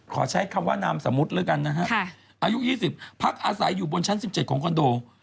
ขอใช้คำว่านามสมมุติแล้วกันนะฮะอายุ๒๐พักอาศัยอยู่บนชั้น๑๗ของคอนโด